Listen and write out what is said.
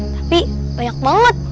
tapi banyak banget